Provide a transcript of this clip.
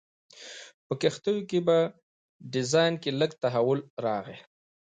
په کښتیو په ډیزاین کې لږ تحول راغی.